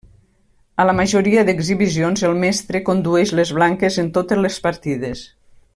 A la majoria d'exhibicions, el mestre condueix les blanques en totes les partides.